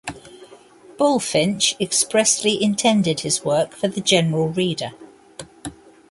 Bulfinch expressly intended his work for the general reader.